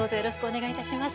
お願いいたします。